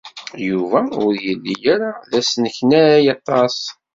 Yuba ur yelli ara d asneknay aṭas.